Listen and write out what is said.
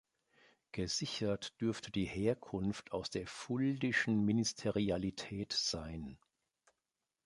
Gesichert dürfte die Herkunft aus der fuldischen Ministerialität sein.